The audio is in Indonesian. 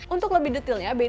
untuk lebih detailnya bedakan